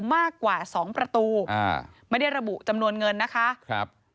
มากกว่าสองประตูอ่าไม่ได้ระบุจำนวนเงินนะคะครับ